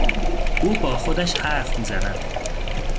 او با خودش حرف میزند.